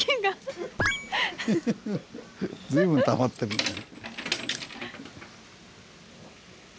随分たまってるんだよね。